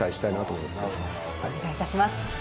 お願いいたします。